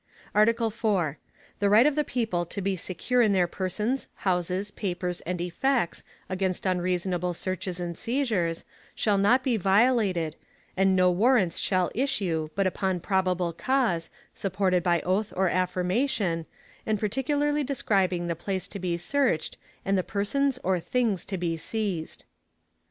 ARTICLE IV. The right of the people to be secure in their persons, houses, papers, and effects, against unreasonable searches and seizures, shall not be violated, and no Warrants shall issue, but upon probable cause, supported by Oath or affirmation, and particularly describing the place to be searched, and the persons or things to be seized.